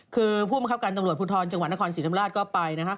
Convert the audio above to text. คือผู้บังคับการตำรวจภูทรจังหวัดนครศรีธรรมราชก็ไปนะครับ